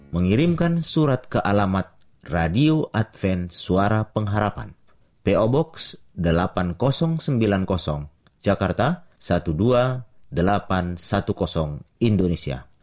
mengirimkan surat ke alamat radio advent suara pengharapan po box delapan ribu sembilan puluh jakarta dua belas ribu delapan ratus sepuluh indonesia